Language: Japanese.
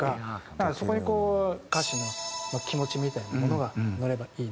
だからそこにこう歌詞の気持ちみたいなものが乗ればいいなと思って。